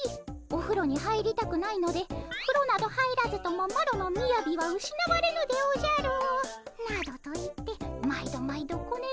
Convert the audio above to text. おふろに入りたくないので「ふろなど入らずともマロのみやびはうしなわれぬでおじゃる」などと言って毎度毎度ごねられます。